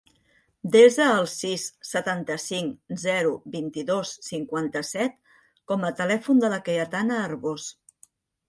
Desa el sis, setanta-cinc, zero, vint-i-dos, cinquanta-set com a telèfon de la Cayetana Arbos.